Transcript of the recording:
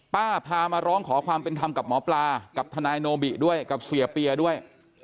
พามาร้องขอความเป็นธรรมกับหมอปลากับทนายโนบิด้วยกับเสียเปียด้วย